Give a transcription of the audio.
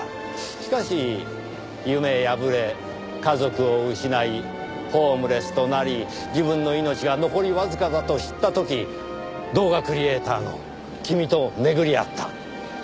しかし夢破れ家族を失いホームレスとなり自分の命が残りわずかだと知った時動画クリエイターの君と巡り合った。